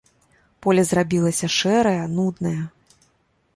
Поле зрабілася шэрае, нуднае.